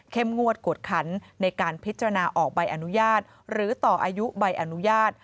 งวดกวดขันในการพิจารณาออกใบอนุญาตหรือต่ออายุใบอนุญาต